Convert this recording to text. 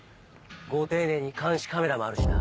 ご丁寧に監視カメラもあるしな。